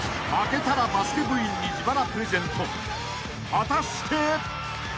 ［果たして］